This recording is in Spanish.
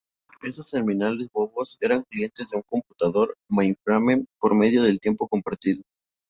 Estos terminales bobos eran clientes de un computador mainframe por medio del tiempo compartido.